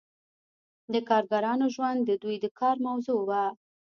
د کارګرانو ژوند د دوی د کار موضوع وه.